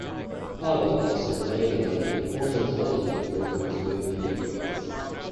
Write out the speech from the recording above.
Powell also played an important role in local community affairs.